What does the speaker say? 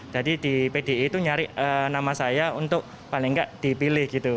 jadi di pdi itu nyari nama saya untuk paling nggak dipilih gitu